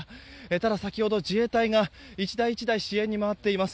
ただ、先ほど自衛隊が１台１台支援に回っています。